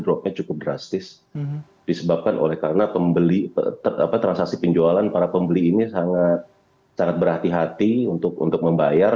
dropnya cukup drastis disebabkan oleh karena transaksi penjualan para pembeli ini sangat berhati hati untuk membayar